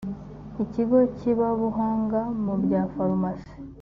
ikigo kibabuhanga mu bya farumasi